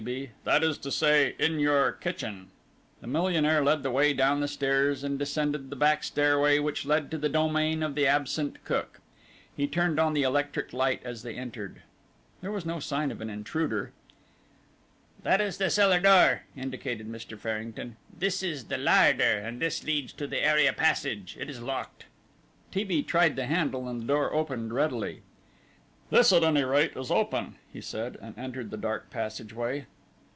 B.; "that is to say, in your kitchen." The millionaire led the way down the stairs, and descended the back stairway which led to the domain of the absent cook. He turned on the electric light as they entered. There was no sign of an intruder. "That is the cellar door," indicated Mr. Farrington, "this the larder, and this leads to the area passage. It is locked." T. B. tried the handle, and the door opened readily. "This at any rate is open," he said, and entered the dark passageway.